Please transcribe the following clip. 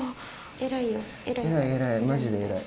偉い偉いマジで偉い。